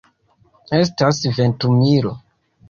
Estas ventumilo.